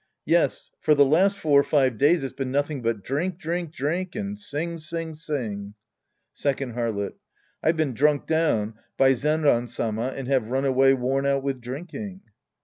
Yes, for the last four or five days it's been nothing but drink, drink, drink, and sing> sing, sing. Second Harlot. I've been drunk down by Zenran Sama and have run away worn out with drinking.